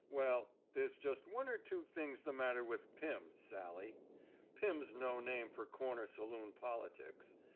Well, there's just one er two things the matter with * Pirn,' Sally. Pirn's no name fer comer saloon politics.''